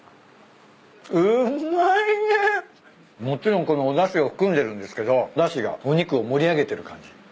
もちろんこのおだしを含んでるんですけどおだしがお肉を盛り上げてる感じ。